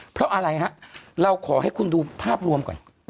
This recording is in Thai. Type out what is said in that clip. เพราะอะไรฮะเราขอให้คุณดูภาพรวมก่อน